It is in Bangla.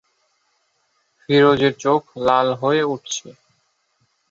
ফিরোজের চোখ লাল হয়ে উঠছে।